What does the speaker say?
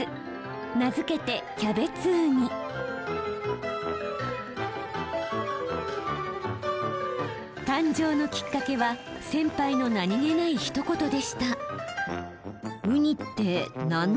名付けて誕生のきっかけは先輩の何気ないひと言でした。